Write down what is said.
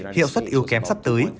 hiệu suất yếu kém sắp tới